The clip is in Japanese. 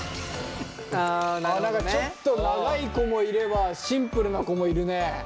ちょっと長い子もいればシンプルな子もいるね。